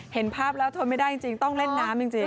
เห็นภาพแล้วทนไม่ได้จริงต้องเล่นน้ำจริง